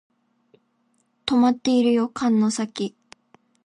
とまっているよ竿の先